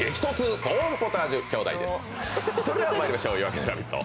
それではまいりましょう「夜明けのラヴィット！」